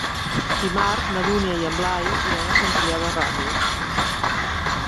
Dimarts na Dúnia i en Blai iran a Sant Julià de Ramis.